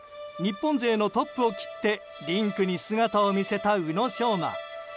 日本勢のトップを切ってリンクに姿を見せた宇野昌磨。